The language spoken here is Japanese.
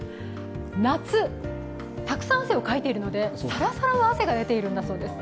夏、たくさん汗をかいているのでサラサラな汗が出ているそうです。